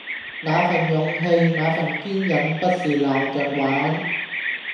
那份勇氣、那份堅忍不是鬧著玩